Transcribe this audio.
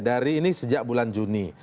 dari ini sejak bulan juni